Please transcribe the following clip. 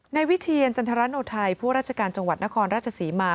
วิเทียนจันทรโนไทยผู้ราชการจังหวัดนครราชศรีมา